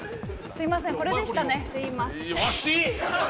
すいません。